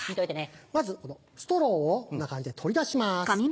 まずストローをこんな感じで取り出します。